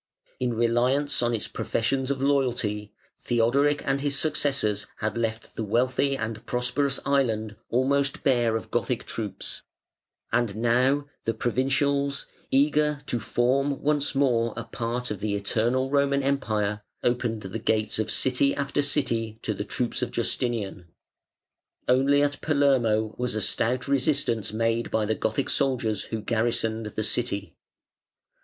In reliance on its professions of loyalty, Theodoric and his successors had left the wealthy and prosperous island almost bare of Gothic troops, and now the provincials, eager to form once more a part of the Eternal Roman Empire, opened the gates of city after city to the troops of Justinian; only at Palermo was a stout resistance made by the Gothic soldiers who garrisoned the city.